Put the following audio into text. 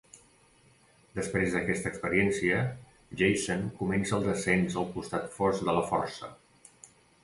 Després d'aquesta experiència, Jacen comença el descens al costat fosc de la Força.